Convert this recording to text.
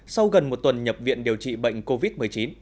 sau gần một tuần nhập viện điều trị bệnh covid một mươi chín